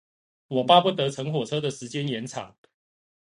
我巴不得乘火車的時間延長